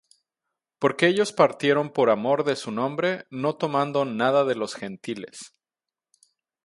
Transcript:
Porque ellos partieron por amor de su nombre, no tomando nada de los Gentiles.